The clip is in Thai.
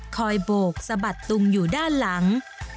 โบกสะบัดตุงอยู่ด้านหลัง